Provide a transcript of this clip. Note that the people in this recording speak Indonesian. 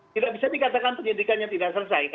tidak bisa dikatakan penyidikannya tidak selesai